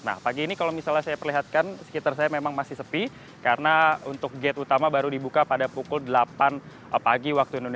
nah pagi ini kalau misalnya saya perlihatkan sekitar saya memang masih sepi karena untuk gate utama baru dibuka pada pukul delapan pagi waktu indonesia